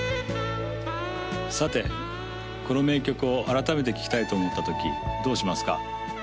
さてこの名曲を改めて聴きたいと思ったときどうしますか？